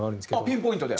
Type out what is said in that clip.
ピンポイントで？